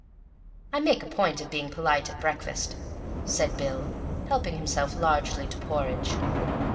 "I make a point of being polite at breakfast," said Bill, helping himself largely to porridge.